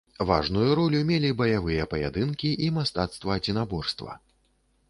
Важную ролю мелі баявыя паядынкі і мастацтва адзінаборства.